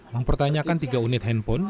mempertanyakan tiga unit handphone